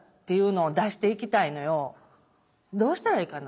どうしたらええかな？